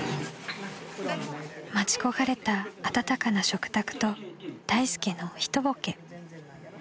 ［待ち焦がれた温かな食卓と大助のひとボケ］